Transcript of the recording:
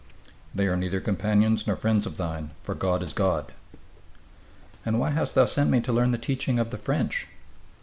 "They are neither companions nor friends of thine, for God is God!" "And why hast thou sent me to learn the teaching of the French?"